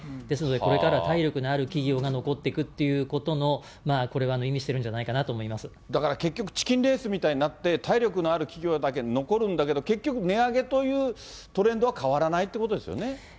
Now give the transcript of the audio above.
ですのでこれからは体力のある企業が残っていくっていうことのこれ、意味してるんじゃないかなとだから結局、チキンレースみたいになって、体力のある企業だけ残るんだけど、結局、値上げというトレンドは変わらないということですよね。